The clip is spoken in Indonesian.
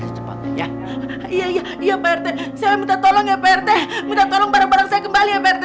secepatnya ya iya pak rt saya minta tolong ya pak rt minta tolong barang barang saya kembali ya pak rt